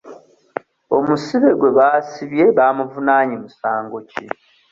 Omusibe gwe baasibye baamuvunaanye musango ki?